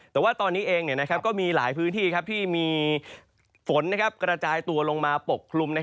แต่ว่าตอนนี้เองก็มีหลายพื้นที่ที่มีฝนกระจายตัวลงมาปกคลุม